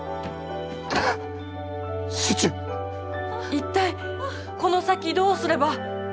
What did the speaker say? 一体この先どうすれば。